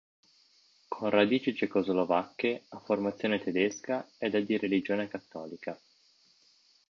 Con radici cecoslovacche, ha formazione tedesca ed è di religione cattolica.